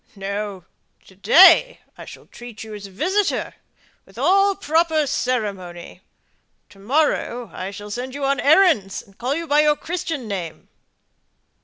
"No; to day I shall treat you as a visitor, with all proper ceremony. To morrow I shall send you errands, and call you by your Christian name."